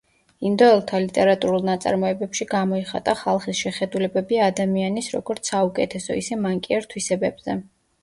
ინდოელთა ლიტერატურულ ნაწარმოებებში გამოიხატა ხალხის შეხედულებები ადამიანის როგორც საუკეთესო, ისე მანკიერ თვისებებზე.